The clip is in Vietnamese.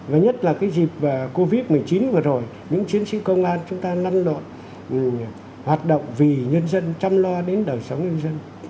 và nhất là dịp covid một mươi chín vừa rồi những chiến sĩ công an chúng ta lăn lộn hoạt động vì nhân dân chăm lo đến đời sống nhân dân